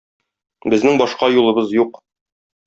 Безнең башка юлыбыз юк.